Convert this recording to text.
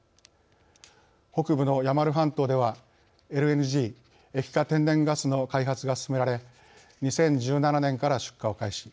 北部のヤマル半島ではＬＮＧ＝液化天然ガスの開発が進められ２０１７年から出荷を開始。